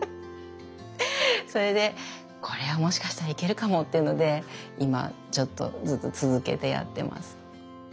それでこれはもしかしたらいけるかもっていうので今ちょっとずつ続けてやってます。